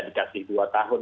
dikasih dua tahun